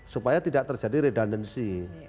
supaya tidak terjadi redundancy